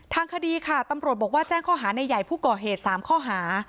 ทางคดีค่ะตำรวจบอกว่าแจ้งข้อหาในใหญ่ผู้ก่อเหตุ๓ข้อหา